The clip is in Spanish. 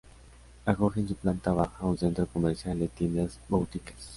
Acoge en su planta baja un centro comercial de tiendas boutiques.